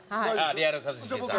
リアル一茂さん。